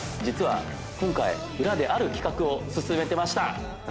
実は今回裏である企画を進めてました！